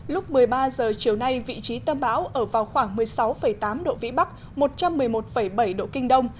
lúc một mươi ba h chiều nay vị trí tâm bão ở vào khoảng một mươi sáu tám độ vĩ bắc một trăm một mươi một bảy độ kinh đông